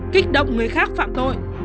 kích động người khác phạt tội